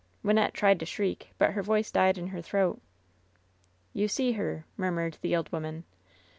Wynnette tried to shriek, but her voice died in her throat. "You see her V^ murmured the old woman.